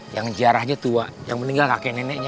yang ziarahnya tua yang meninggal kakek neneknya